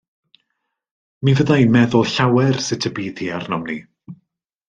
Mi fydda i'n meddwl llawer sut y bydd hi arnom ni.